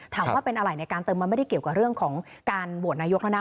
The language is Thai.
ถามว่าเป็นอะไรในการเติมมันไม่ได้เกี่ยวกับเรื่องของการโหวตนายกแล้วนะ